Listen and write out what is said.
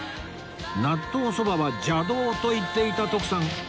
納豆そばは邪道と言っていた徳さん